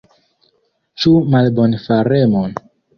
Ĉu malbonfaremon?